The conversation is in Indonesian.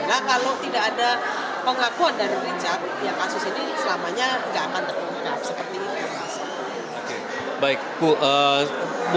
nah kalau tidak ada pengakuan dari richard ya kasus ini selamanya tidak akan terungkap seperti itu